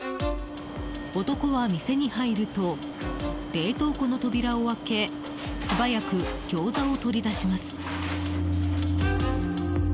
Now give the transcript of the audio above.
男は、店に入ると冷凍庫の扉を開け素早くギョーザを取り出します。